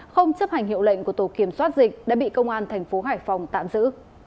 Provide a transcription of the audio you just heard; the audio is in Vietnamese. không chấp hành hiệu lệnh của tổ kiểm soát dịch đã bị công an thành phố hải phòng tạm giữ